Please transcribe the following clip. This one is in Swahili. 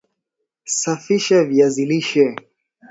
safisha viazi lishe